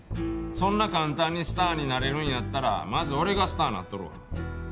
そんな簡単にスターになれるんやったらまず俺がスターになっとるわ。